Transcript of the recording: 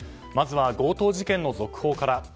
まずは強盗事件の続報から。